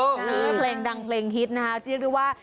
ใช่เพลงดังเพลงฮิตหรือว่า